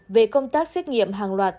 về công tác xét nghiệm hàng loạt